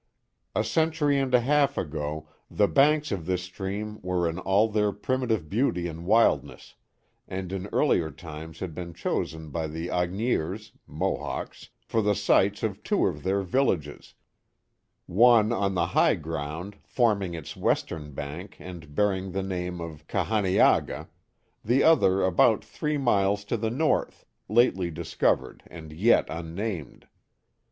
A century and a half ago the banks of this stream were in all their primi tive beauty and wildness, and in earlier times had been chosen by the Agniers (Mohawks) for the sites of two of their vil lages, one on the high ground forming its western bank and bearing the name of Ca hani aga, the other about three miles to the north, lately discovered and yet unnamed.